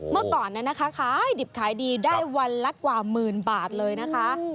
เมื่อก่อนดิบขายดีได้วันละกว่าหมื่นบาทเลยนะคะ